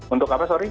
untuk apa sorry